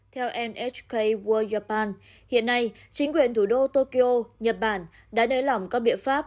theo nhk world japan hiện nay chính quyền thủ đô tokyo nhật bản đã nới lỏng các biện pháp